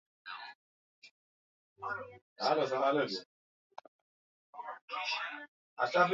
majadiliano yanaweza kufanyika kwenye kumbi mbalimbali